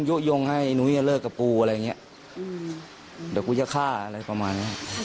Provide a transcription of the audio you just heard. น้องกินพูดอะไรเนี่ยเดี๋ยวก็อย่าข้าอะไรประมาณ